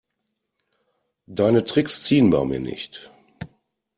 Deine Tricks ziehen bei mir nicht.